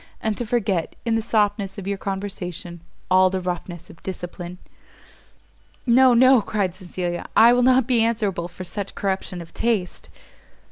and to forget, in the softness of your conversation, all the roughness of discipline!" "No, no," cried Cecilia, "I will not be answerable for such corruption of taste!"